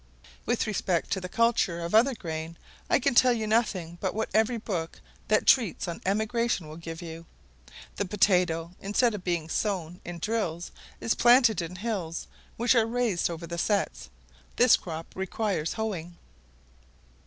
With respect to the culture of other grain, I can tell you nothing but what every book that treats on emigration will give you. The potatoe instead of being sown in drills is planted in hills, which are raised over the sets; this crop requires hoeing.